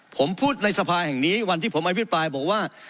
ผมพูดในสภาแห่งนี้วันที่ผมอภิปรายบอกว่า